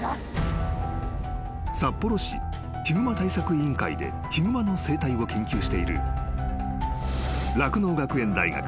［札幌市ヒグマ対策委員会でヒグマの生態を研究している酪農学園大学